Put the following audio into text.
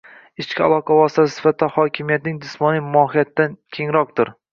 ichki aloqa vositasi sifatida hokimiyatning “jismoniy” mohiyatidan kengroqdir.